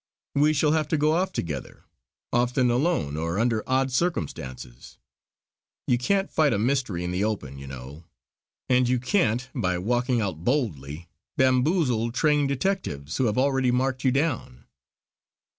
We shall have to go off together, often alone or under odd circumstances. You can't fight a mystery in the open, you know; and you can't by walking out boldly, bamboozle trained detectives who have already marked you down."